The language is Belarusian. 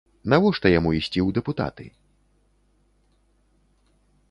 Навошта яму ісці ў дэпутаты?